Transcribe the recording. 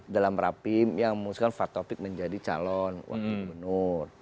dalam rapim yang memusnahkan fatopik menjadi calon wakil gubernur